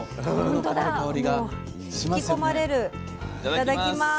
いただきます。